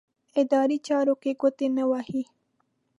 اداري چارو کې ګوتې نه وهي.